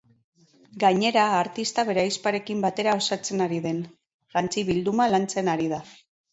Gainera, artista bere ahizparekin batera osatzen ari den jantzi-bilduma lantzen ari da.